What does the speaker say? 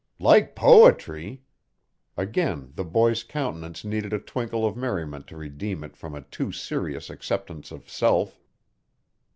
"Like poetry!" Again the boy's countenance needed a twinkle of merriment to redeem it from a too serious acceptance of self.